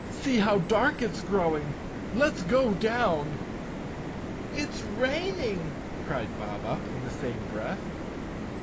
"See how dark it's growing I Let's go down! " "It's raining," cried Bob Up in the same breath.